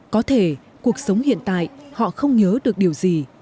có thể cuộc sống hiện tại họ không nhớ được điều gì